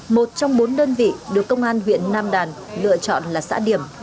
một trong bốn đơn vị được công an huyện nam đàn lựa chọn là xã điểm